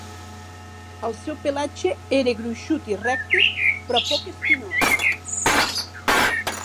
El seu pelatge era gruixut i recte, però poc espinós.